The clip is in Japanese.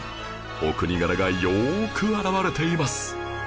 お国柄がよく表れています